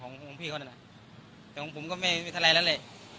ของพี่เขาน่ะนะและผมก็ไม่ว่ามีท้ายอะไรนะเลย